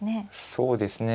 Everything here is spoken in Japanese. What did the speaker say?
そうですね